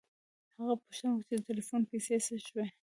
هغه پوښتنه وکړه چې د ټیلیفون پیسې څه شوې